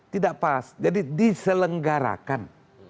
tidak pas jadi diselenggarakan